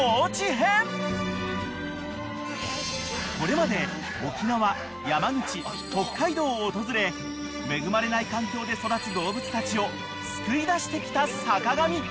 ［これまで沖縄山口北海道を訪れ恵まれない環境で育つ動物たちを救い出してきた坂上］